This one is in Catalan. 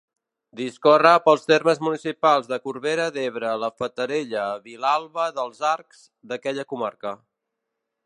Discorre pels termes municipals de Corbera d'Ebre, la Fatarella, Vilalba dels Arcs, d'aquella comarca.